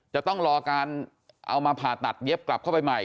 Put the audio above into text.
จะต้องรอการเอามาผ่าตัดเย็บกลับเข้าไปใหม่